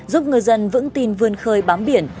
giúp ngư dân vững tin vươn khơi bám biển